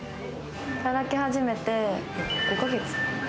働き始めて５ヶ月。